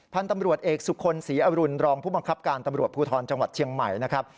พันธุ์ตำรวจเอกสุคลศรีอรุณรองผู้บังคับการตำรวจภูทรจังหวัดเชียงใหม่นะครับ